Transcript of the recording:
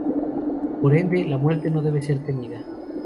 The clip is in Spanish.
Por ende, la muerte no debe ser temida.